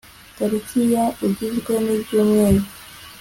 tariki ya Ugizwe n ibyumweru